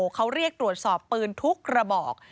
เขาเรียกตรวจสอบปืนทุกกระบอก